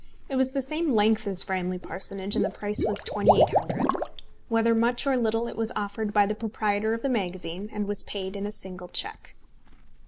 It was the same length as Framley Parsonage, and the price was £2800. Whether much or little, it was offered by the proprietor of the magazine, and was paid in a single cheque.